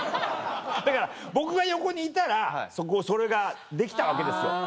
だから僕が横にいたらそれができたわけですよ。